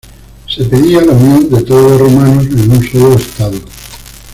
Se pedía la unión de todos los rumanos en un sólo Estado.